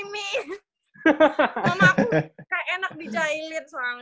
mama aku kayak enak dijahilit soalnya